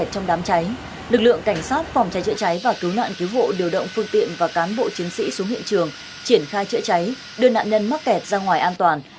trong đám cháy lực lượng cảnh sát phòng cháy chữa cháy và cứu nạn cứu hộ điều động phương tiện và cán bộ chiến sĩ xuống hiện trường triển khai chữa cháy đưa nạn nhân mắc kẹt ra ngoài an toàn